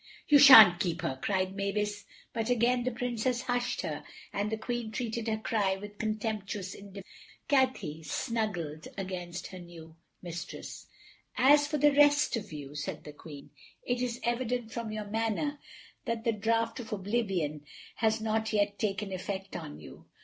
"You shan't keep her," cried Mavis, but again the Princess hushed her, and the Queen treated her cry with contemptuous indifference. Cathay snuggled against her new mistress. "As for the rest of you," said the Queen, "it is evident from your manner that the draught of oblivion has not yet taken effect on you.